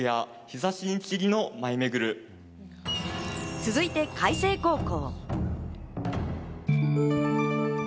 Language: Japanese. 続いて開成高校。